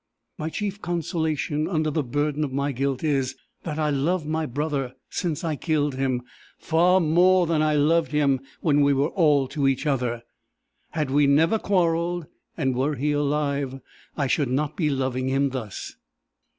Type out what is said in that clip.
My chief consolation under the burden of my guilt is, that I love my brother since I killed him, far more than I loved him when we were all to each other. Had we never quarrelled, and were he alive, I should not be loving him thus!